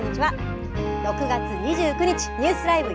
６月２９日ニュースＬＩＶＥ！